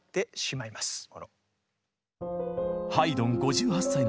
ハイドン５８歳の時